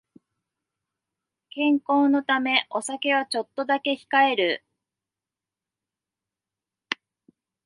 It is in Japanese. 健康のためお酒はちょっとだけ控える